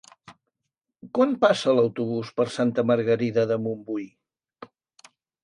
Quan passa l'autobús per Santa Margarida de Montbui?